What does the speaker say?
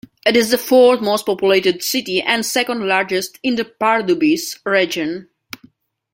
It is the fourth most populated city and second largest in the Pardubice Region.